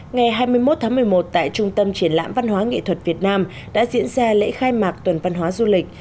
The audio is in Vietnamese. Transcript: ngày hai mươi một tháng một mươi một tại trung tâm triển lãm văn hóa nghệ thuật việt nam đã diễn ra lễ khai mạc tuần văn hóa du lịch